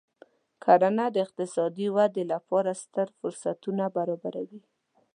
کرنه د اقتصادي ودې لپاره ستر فرصتونه برابروي.